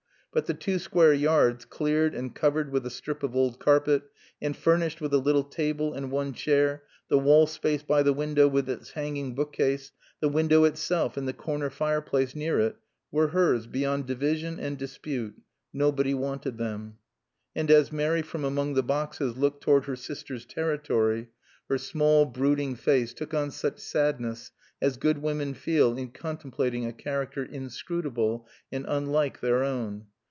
But the two square yards, cleared, and covered with a strip of old carpet, and furnished with a little table and one chair; the wall space by the window with its hanging bookcase; the window itself and the corner fireplace near it were hers beyond division and dispute. Nobody wanted them. And as Mary from among the boxes looked toward her sister's territory, her small, brooding face took on such sadness as good women feel in contemplating a character inscrutable and unlike their own.